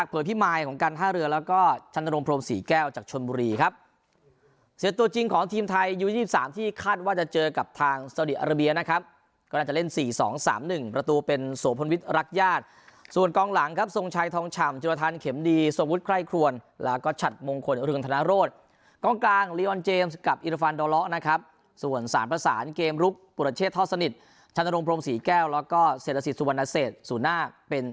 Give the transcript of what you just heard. ชันตรงพรมสี่แก้วแล้วก็เสร็จละสิทธิ์สุวรรณเศสสู่หน้าเป็น